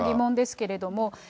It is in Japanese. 素朴な疑問ですけれども。